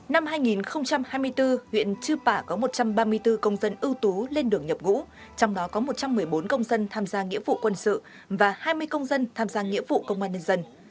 năm hai nghìn hai mươi bốn huyện chư pả có một trăm ba mươi bốn công dân ưu tú lên đường nhập ngũ trong đó có một trăm một mươi bốn công dân tham gia nghĩa vụ quân sự và hai mươi công dân tham gia nghĩa vụ công an nhân dân